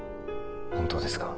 本当ですか？